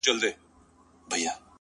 ځكه د كلي مشر ژوند د خواركي ورانوي-